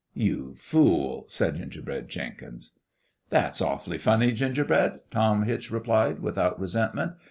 " Ye fool !" said Gingerbread Jenkins. "That's awful funny, Gingerbread," Tom Hitch replied, without resentment.